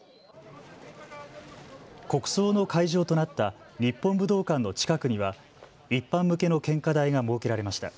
国葬の会場となった日本武道館の近くには一般向けの献花台が設けられました。